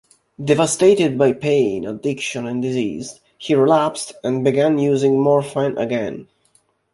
Devastated by pain, addiction, and disease, he relapsed and began using morphine again.